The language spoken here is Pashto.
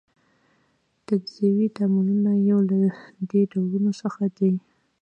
تجزیوي تعاملونه یو له دې ډولونو څخه دي.